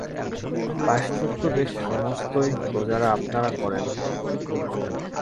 পাশ্চাত্যদেশে সমস্তই প্রজারা আপনারা করেন।